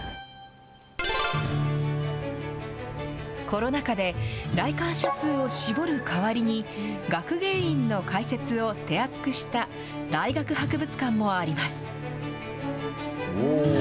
コロナ禍で、来館者数を絞る代わりに、学芸員の解説を手厚くした大学博物館もあります。